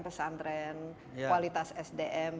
pesantren kualitas sdm